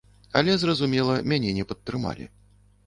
Але, зразумела, мяне не падтрымалі.